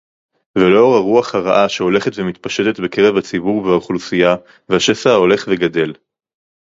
ולאור הרוח הרעה שהולכת ומתפשטת בקרב הציבור והאוכלוסייה והשסע ההולך וגדל